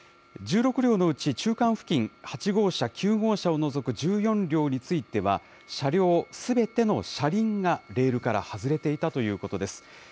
１６両のうち、中間付近、８号車、９号車を除く１４両については、車両すべての車輪がレールから外れていたということです。